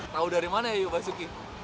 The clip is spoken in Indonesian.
tau dari mana yayu basuki